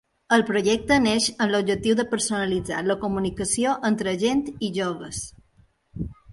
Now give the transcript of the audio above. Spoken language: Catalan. El projecte naix amb l’objectiu de personalitzar la comunicació entre agent i joves.